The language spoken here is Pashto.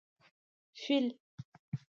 🐘 فېل